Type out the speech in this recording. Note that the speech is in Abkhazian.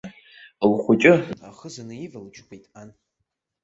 Лхәыҷы ахыза наивалыџьгәеит ан.